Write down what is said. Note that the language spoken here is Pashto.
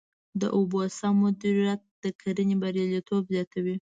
د اوبو سم مدیریت د کرنې بریالیتوب زیاتوي.